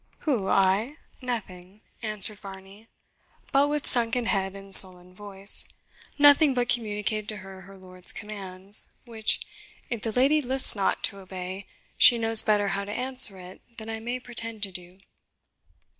"Who, I? nothing," answered Varney, but with sunken head and sullen voice; "nothing but communicated to her her lord's commands, which, if the lady list not to obey, she knows better how to answer it than I may pretend to do."